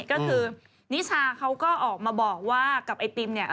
ก็คือนิชาเขาก็ออกมาบอกว่ากับไอติมเนี่ย